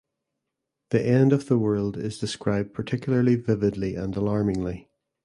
The end of the world is described particularly vividly and alarmingly.